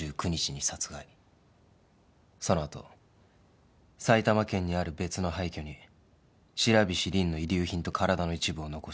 その後埼玉県にある別の廃虚に白菱凜の遺留品と体の一部を残した。